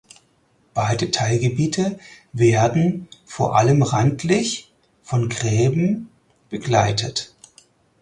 Beide Teilgebiete werden vor allem randlich von Gräben begleitet.